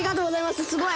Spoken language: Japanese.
すごい！